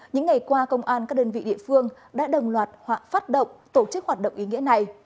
những ngày qua công an các đơn vị địa phương đã đồng loạt phát động tổ chức hoạt động ý nghĩa này